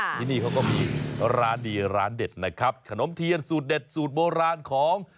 ที่นี่เขาก็มีร้านดีร้านเด็ดนะครับขนมเทียนสูตรเด็ดสูตรโบราณของ